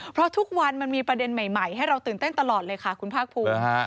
เพราะทุกวันมันมีประเด็นใหม่ให้เราตื่นเต้นตลอดเลยค่ะคุณภาคภูมิ